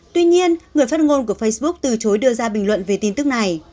tuy nhiên người phát ngôn của facebook từ chối đưa ra bình luận về tin tức này